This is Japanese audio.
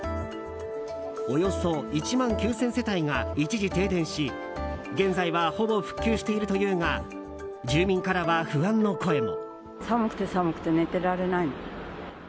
およそ１万９０００世帯が一時停電し現在はほぼ復旧しているというが住民からは不安の声も。